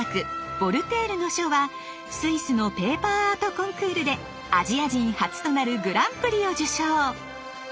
「ヴォルテールの書」はスイスのペーパーアートコンクールでアジア人初となるグランプリを受賞。